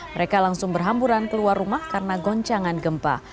mereka langsung berhamburan keluar rumah karena goncangan gempa